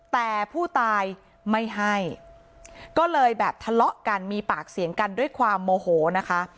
แต่ผู้ตายไม่ให้ก็เลยแบบทะเลาะกันมีปากเสียงกันด้วยความโมโหนะคะ